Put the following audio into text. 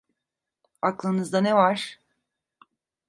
Aklınızda ne var?